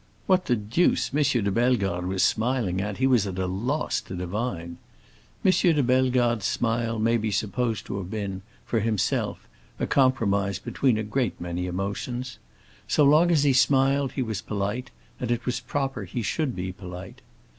What the deuce M. de Bellegarde was smiling at he was at a loss to divine. M. de Bellegarde's smile may be supposed to have been, for himself, a compromise between a great many emotions. So long as he smiled he was polite, and it was proper he should be polite.